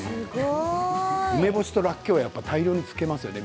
梅干しと、らっきょうは大量に漬けますね。